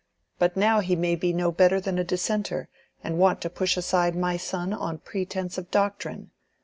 But now he may be no better than a Dissenter, and want to push aside my son on pretence of doctrine.